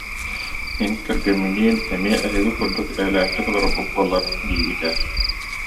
Мин кэргэмминиин эмиэ эһиги курдук эйэлээхтик олорорбут буоллар диибит ээ